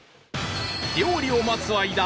料理を待つ間